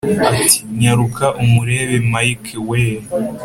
ati"nyaruka umurebe mike we!"